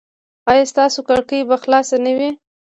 ایا ستاسو کړکۍ به خلاصه نه وي؟